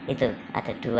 itu ada dua